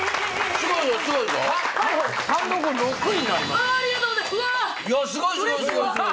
すごいすごいすごいすごい！